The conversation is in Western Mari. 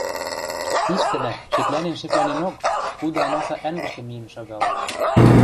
Иктӹнӓ, шеклӓнен-шеклӓненок, куды амаса ӓнгӹшкӹ миэн шагалеш.